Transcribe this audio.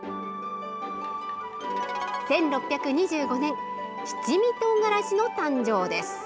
１６２５年七味とうがらしの誕生です。